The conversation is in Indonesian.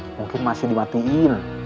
mungkin masih dimatiin